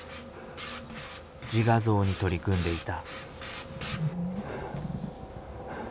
自画像に取り組んでいた。